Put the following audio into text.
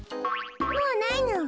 もうないの。